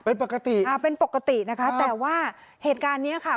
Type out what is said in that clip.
เป็นปกติอ่าเป็นปกตินะคะแต่ว่าเหตุการณ์เนี้ยค่ะ